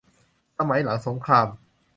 สมัยหลังสงคราม